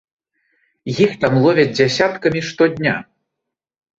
Іх там ловяць дзясяткамі штодня.